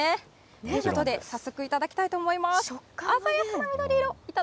ということで早速頂きたいと思います。